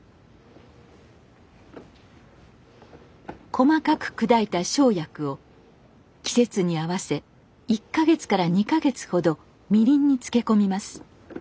細かく砕いた生薬を季節に合わせ１か月から２か月ほどみりんに漬け込みます。